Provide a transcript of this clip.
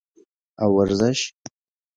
او ورزش